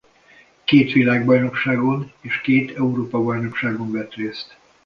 Két világbajnokságon és két Európa-bajnokságon vett részt.